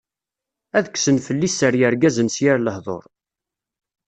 Ad kksen fell-i sser yirgazen s yir lehḍur.